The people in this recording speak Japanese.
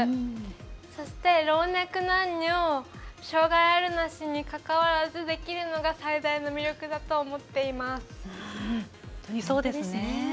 そして、老若男女障がいのあるなしに関係なくできるのが最大の魅力だと思っています。